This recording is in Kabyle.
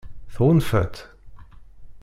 Tɣunfa-tt?